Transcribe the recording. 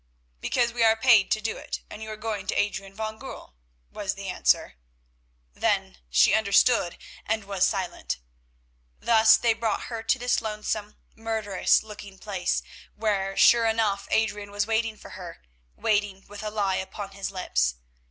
"Because we are paid to do it, and you are going to Adrian van Goorl," was the answer. Then she understood, and was silent. Thus they brought her to this lonesome, murderous looking place, where sure enough Adrian was waiting for her, waiting with a lie upon his lips.